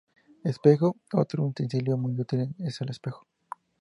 Espejo: Otro utensilio muy útil es el espejo.